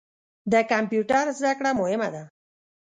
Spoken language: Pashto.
د کمپیوټر زده کړه مهمه ده.